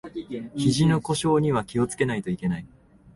ひじの故障には気をつけないといけない